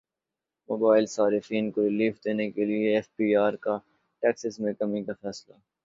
mobile صارفین کو relief دینے کیلئے ایف بی ار کا ٹیکسز میں کمی کا فیصلہ